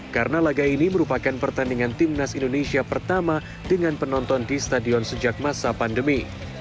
karena laga ini merupakan pertandingan timnas indonesia pertama dengan penonton di stadion sejak masa pandemi